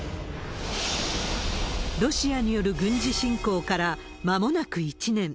ロシアによる軍事侵攻から、まもなく１年。